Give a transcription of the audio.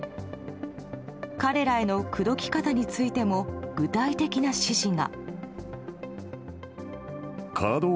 彼らへの口説き方についても具体的な指示が。